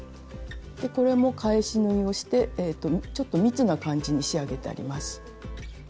これも返し縫いをしてちょっと密な感じに仕上げてあります。